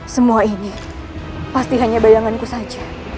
semua ini pasti hanya bayanganku saja